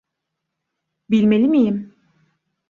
Bilmeli miyim?